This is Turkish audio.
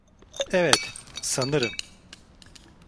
Evet, sanırım.